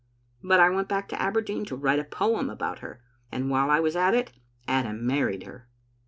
But I went back to Aberdeen to write a poem about her, and while I was at it Adam married her."